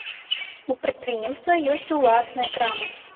У прадпрыемства ёсць уласныя крамы.